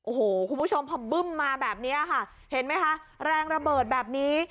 โอ้โหคุณผู้ชมพอบึ้มมาแบบนี้ค่ะเห็นไหมคะแรงระเบิดแบบนี้